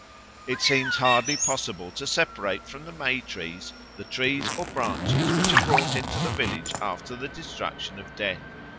It seems hardly possible to separate from the May trees the trees or branches which are brought into the village after the destruction of the Death.